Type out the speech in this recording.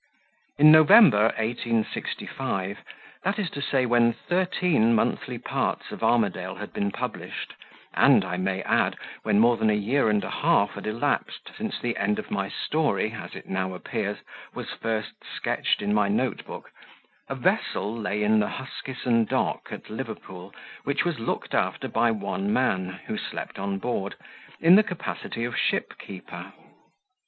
In November, 1865, that is to say, when thirteen monthly parts of "Armadale" had been published, and, I may add, when more than a year and a half had elapsed since the end of the story, as it now appears, was first sketched in my notebook a vessel lay in the Huskisson Dock at Liverpool which was looked after by one man, who slept on board, in the capacity of shipkeeper.